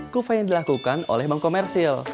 kufa yang dilakukan oleh bank komersil